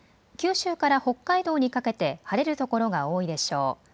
九州から北海道にかけて晴れる所が多いでしょう。